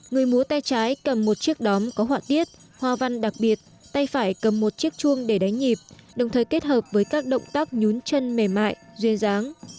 người múa tay trái cầm một chiếc đóm có họa tiết hoa văn đặc biệt tay phải cầm một chiếc chuông để đánh nhịp đồng thời kết hợp với các động tác nhún chân mềm mại duyên dáng